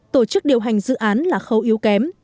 tổ chức điều hành dự án là khâu yếu kém